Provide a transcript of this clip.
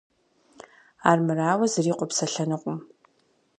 Армырауэ, зыри къопсэлъэнукъым.